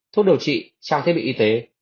thuốc điều trị trang thiết bị y tế